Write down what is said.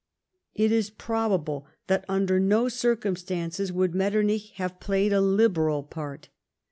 * It is probable that mider no circumstances would Mettcruich have played a liberal part.